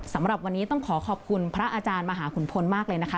สำหรับวันนี้ต้องขอขอบคุณพระอาจารย์มหาขุนพลมากเลยนะคะ